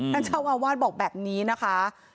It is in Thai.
ท่านเจ้าอาวาสบอกแบบนี้นะคะ